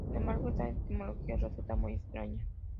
Sin embargo esta etimología resulta muy extraña.